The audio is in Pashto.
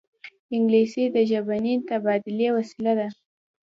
انګلیسي د ژبني تبادلې وسیله ده